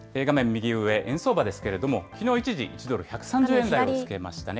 右上、円相場ですけれども、きのう一時、１ドル１３０円台をつけましたね。